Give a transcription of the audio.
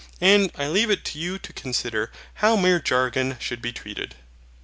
And I leave it to you to consider how mere jargon should be treated.